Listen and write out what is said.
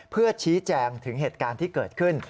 เพื่อชี้แจงถึงเหตุการณ์ที่เกิดขึ้น